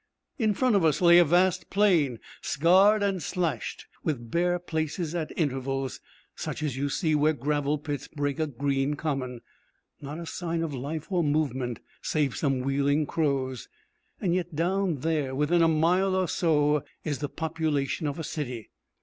In front of us lay a vast plain, scarred and slashed, with bare places at intervals, such as you see where gravel pits break a green common. Not a sign of life or movement, save some wheeling crows. And yet down there, within a mile or so, is the population of a city.